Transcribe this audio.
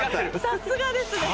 さすがですね。